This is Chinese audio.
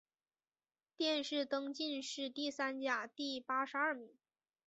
殿试登进士第三甲第八十二名。